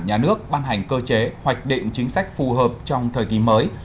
nhà nước ban hành cơ chế hoạch định chính sách phù hợp trong thời kỳ mới